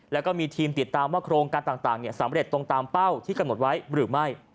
แล้วก็มีทีมติดตามว่าโครงการต่างสำเร็จตรงตามเป้าที่กำหนดไว้หรือไม่